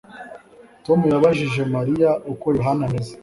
Tom yabajije Mariya uko Yohana ameze